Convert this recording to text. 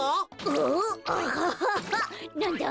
おっアハハハハなんだ？